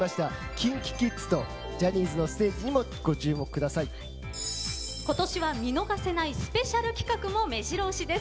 ＫｉｎＫｉＫｉｄｓとジャニーズのステージにも今年は見逃せないスペシャル企画も目白押しです。